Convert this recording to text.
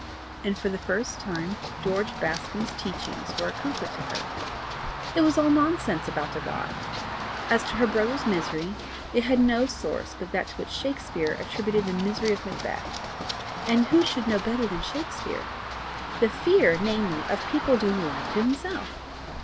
And for the first time, George Bascombe's teachings were a comfort to her. It was all nonsense about a God. As to her brother's misery, it had no source but that to which Shakespeare attributed the misery of Macbeth and who should know better than Shakespeare? the fear, namely, of people doing the like to himself!